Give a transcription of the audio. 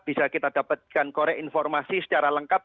bisa kita dapatkan korek informasi secara lengkap